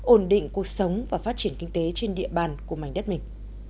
ổn định cuộc sống và phát triển kinh tế trên địa bàn của mảnh đất mình